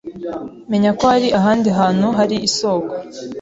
menya ko hari ahandi hantu hari isoko